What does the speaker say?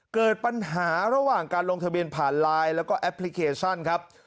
เกิดปัญหาระหว่างการลงทะเบียนผ่านไลน์แล้วก็แอปพลิเคชันครับ